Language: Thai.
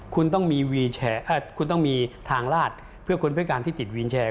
คุณต้องมีทางราชเพื่อคนพิการที่ติดวีนแชร์